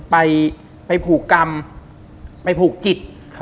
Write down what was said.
ไปผูกกรรมไปผูกจิต